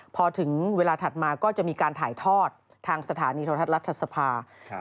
พอถึงเวลาถัดมาก็จะมีการถ่ายทอดทางสถานีรัฐศพาคณะ